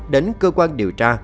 đến cơ quan điều tra